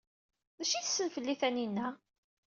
D acu ay tessen fell-i Taninna?